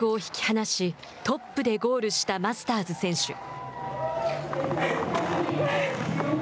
後続を引き離しトップでゴールしたマスターズ選手。